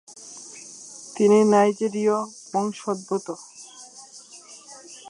তিনি নাইজেরীয় বংশোদ্ভূত।